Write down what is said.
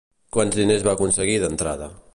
Quants diners van aconseguir d'entrada?